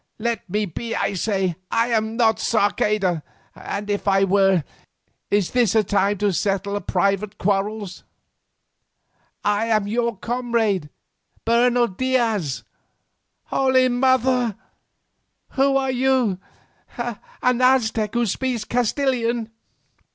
Let me be I say. I am not Sarceda, and if I were, is this a time to settle private quarrels? I am your comrade, Bernal Diaz. Holy Mother! who are you? An Aztec who speaks Castilian?"